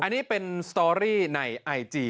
อันนี้เป็นสตอรี่ในไอจี